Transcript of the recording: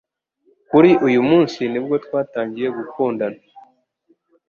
Kuri uyu munsi, nibwo twatangiye gukundana